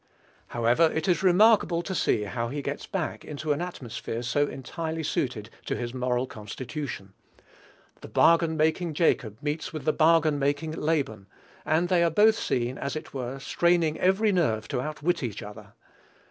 However, it is remarkable to see how he gets back into an atmosphere so entirely suited to his moral constitution. The bargain making Jacob meets with the bargain making Laban, and they are both seen as it were, straining every nerve to outwit each other.